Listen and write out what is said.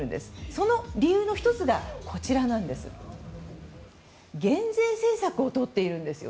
その理由の１つが減税政策をとっているんです。